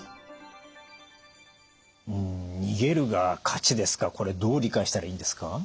うん「逃げるが勝ち」ですかこれどう理解したらいいんですか？